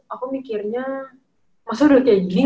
aku mikirnya maksudnya udah kayak gini